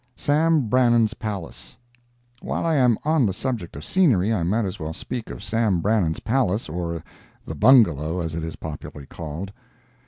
SAM BRANNAN'S PALACE While I am on the subject of scenery, I might as well speak of Sam Brannan's palace, or "the Bungalow," as it is popularly called.